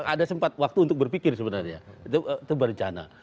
ada sempat waktu untuk berpikir sebenarnya itu berencana